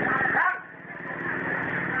เย็นแล้วนะ